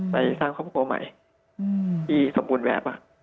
ไปสร้างครอบครัวใหม่ที่สมบูรณ์แบบ